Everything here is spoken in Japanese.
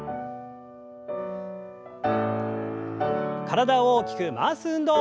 体を大きく回す運動。